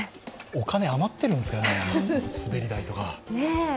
お金余っているんですかね、滑り台とか。